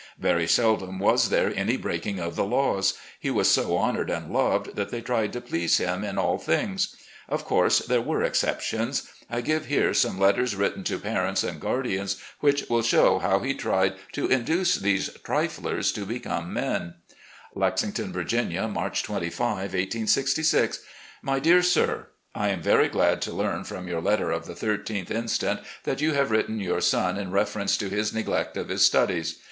Very seldom was there any breaking of the laws. He was so honoured and loved that they tried to please him in all things. Of course, there were exceptions. I give here some letters written to parents and guardians which will show how he tried to induce these triflers to become men: "Lexington, Virginia, March 25, 1866. "My Dear Sir: I am very glad to learn from your letter of the 13th inst. that you have written your son in reference to his neglect of his studies.